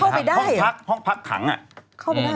เข้าไปได้